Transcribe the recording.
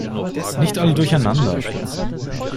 Nicht alle durcheinander!